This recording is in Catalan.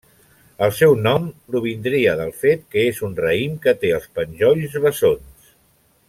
El seu nom provindria del fet que és un raïm que té els penjolls bessons.